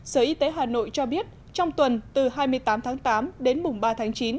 sở y tế hà nội cho biết trong tuần từ hai mươi tám tháng tám đến mùng ba tháng chín